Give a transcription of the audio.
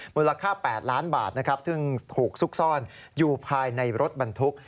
มูลค่า๘ล้านบาทนะครับซึ่งถูกซุกซ่อนอยู่ภายในรถบรรทุก